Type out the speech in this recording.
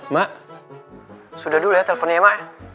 mak sudah dulu ya teleponnya mak